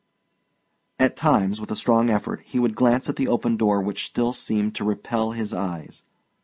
At times, with a strong effort, he would glance at the open door which still seemed to repel his eyes.